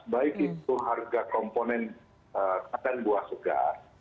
baik itu harga komponen katen buah segar